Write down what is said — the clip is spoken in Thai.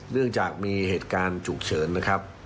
เรื่องจากมีเหตุการณ์ฉุกเฉินนะครับ